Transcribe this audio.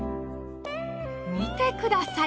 見てください